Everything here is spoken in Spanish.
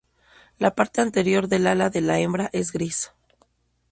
La parte anterior del ala de la hembra es gris.